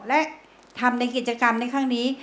และทำในกิจกรรมในครั้งนี้